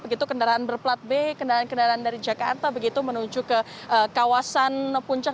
begitu kendaraan berplat b kendaraan kendaraan dari jakarta begitu menuju ke kawasan puncak